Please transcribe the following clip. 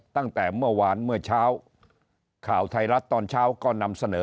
ตั้งแต่เมื่อวานเมื่อเช้าข่าวไทยรัฐตอนเช้าก็นำเสนอ